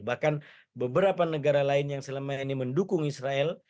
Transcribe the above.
bahkan beberapa negara lain yang selama ini mendukung israel